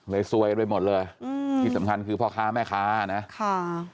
ซวยไปหมดเลยอืมที่สำคัญคือพ่อค้าแม่ค้านะค่ะ